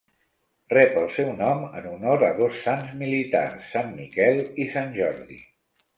Rep el seu nom en honor a dos sants militars, Sant Miquel i Sant Jordi.